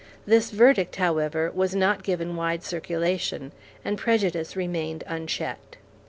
This verdict, however, was not given wide circulation, and prejudice remained unchecked.